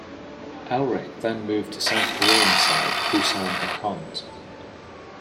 Elrich then moved to South Korean side Busan I'cons.